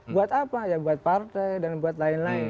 buat apa ya buat partai dan buat lain lain